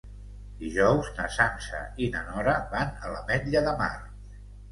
Dijous na Sança i na Nora van a l'Ametlla de Mar.